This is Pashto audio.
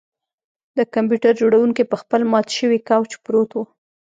د کمپیوټر جوړونکی په خپل مات شوي کوچ پروت و